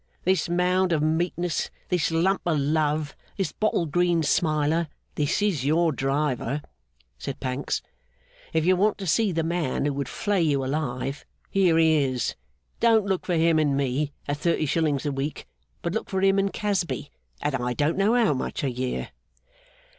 This mound of meekness, this lump of love, this bottle green smiler, this is your driver!' said Pancks. 'If you want to see the man who would flay you alive here he is! Don't look for him in me, at thirty shillings a week, but look for him in Casby, at I don't know how much a year!